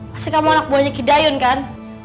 pasti kamu anak buahnya kidayun kan